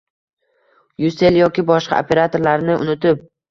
Ucell yoki boshqa operatorlarini unutib